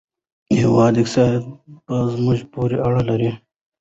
د هېواد اقتصاد په موږ پورې اړه لري.